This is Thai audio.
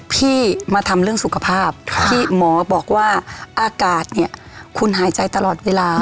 พี่มาทำเรื่องสุขภาพที่หมอบอกว่าอากาศเนี่ยคุณหายใจตลอดเวลา